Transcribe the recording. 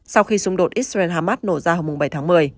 sau khi xung đột israel hamas nổ ra hôm bảy tháng một mươi